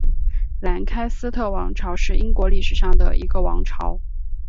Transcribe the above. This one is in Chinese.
兰开斯特王朝是英国历史上的一个王朝。